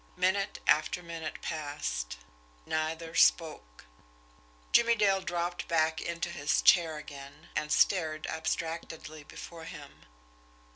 Minute after minute passed. Neither spoke. Jimmie Dale dropped back into his chair again, and stared abstractedly before him.